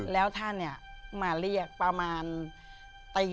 แล้วท่านเนี่ยมาเรียกประมาณตี๓